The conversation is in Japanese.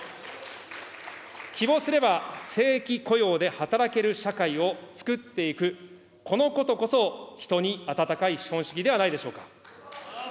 希望すれば正規雇用で働ける社会をつくっていく、このことこそ人に温かい資本主義ではないでしょうか。